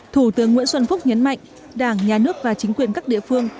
thủ tướng nguyễn xuân phúc nhấn mạnh đảng nhà nước và chính quyền các địa phương